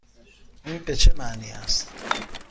این به چه معنی است؟